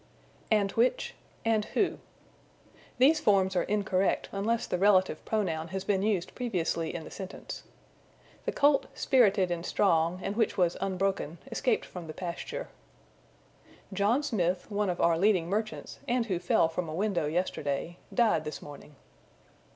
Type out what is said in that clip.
And which. And who. These forms are incorrect unless the relative pronoun has been used previously in the sentence. "The colt, spirited and strong, and which was unbroken, escaped from the pasture." "John Smith, one of our leading merchants, and who fell from a window yesterday, died this morning."